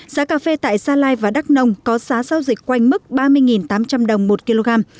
giá cà phê tại sa lai và đắk nông có giá giao dịch quanh mức ba mươi tám trăm linh đồng một kg